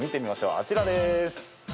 あちらです。